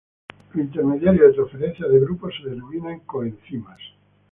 Los intermediarios de transferencia de grupos se denominan coenzimas.